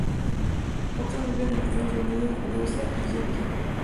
Otros viven en Estados Unidos, Rusia y Georgia.